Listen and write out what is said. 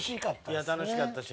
いや楽しかったし